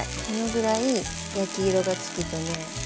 このぐらい焼き色がつくとね